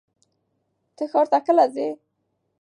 ته ښار ته کله ځې؟